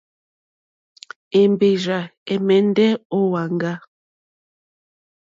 Èmbèrzà ɛ̀mɛ́ndɛ́ ó wàŋgá.